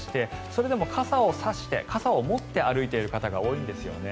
それでも傘を差して傘を持って歩いている方が多いんですよね。